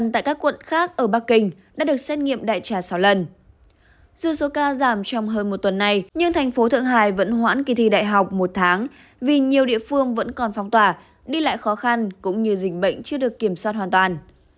thành phố thượng hải vẫn hoãn kỳ thi đại học một tháng vì nhiều địa phương vẫn còn phong tỏa đi lại khó khăn cũng như dịch bệnh chưa được kiểm soát hoàn toàn